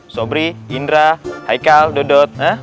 sobri indra haikal dodot